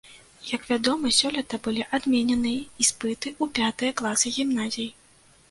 Як вядома, сёлета былі адмененыя іспыты ў пятыя класы гімназій.